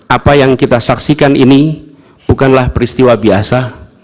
apa yang kita saksikan ini bukanlah peristiwa biasa